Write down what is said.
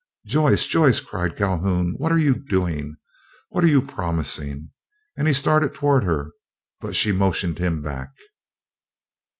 "Joyce, Joyce!" cried Calhoun, "what are you doing? What are you promising?" and he started toward her, but she motioned him back.